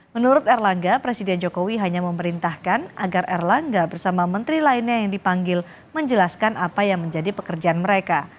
menurut erlangga presiden jokowi hanya memerintahkan agar erlangga bersama menteri lainnya yang dipanggil menjelaskan apa yang menjadi pekerjaan mereka